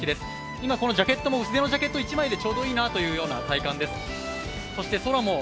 今、このジャケットも薄手のジャケットでちょうどいいなという体感です。